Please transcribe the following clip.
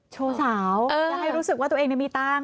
โชว์าวให้รู้สึกว่าตัวเองได้มีตังค์